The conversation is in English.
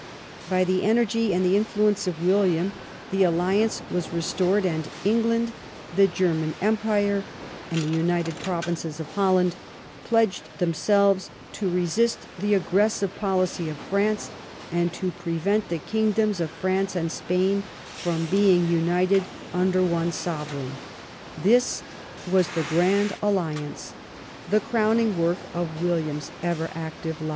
By the energy and the influence of William the alliance was restored, and England, the German empire, and the United Provinces of Holland pledged themselves to resist the aggressive policy of France and to prevent the kingdoms of France and Spain from be ing united under one sovereign. This was the Grand Alliance, the crowning work of William's ever active life.